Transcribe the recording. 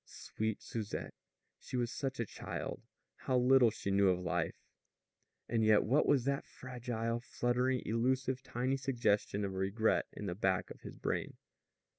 Sweet Susette! She was such a child! How little she knew of life! And yet what was that fragile, fluttering, elusive, tiny suggestion of a regret in the back of his brain?